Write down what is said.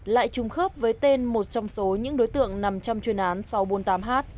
lại trung khớp với tên một trong số những đối tượng nằm trong chuyên án sáu trăm bốn mươi tám h